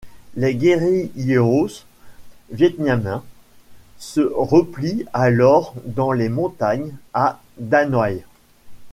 Les guérilleros vietnamiens se replient alors dans les montagnes, à d'Hanoï.